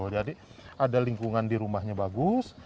jadi ada lingkungan di rumahnya bagus